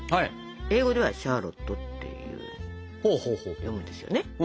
英語では「シャーロット」っていうんですよね。